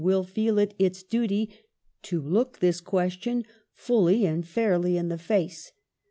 . will feel it its duty to look this question fully and fairly in the face